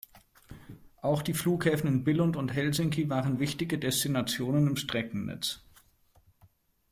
Auch die Flughäfen in Billund und Helsinki waren wichtige Destinationen im Streckennetz.